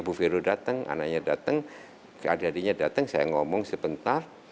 ya kalau fero datang anaknya datang keadilannya datang saya ngomong sebentar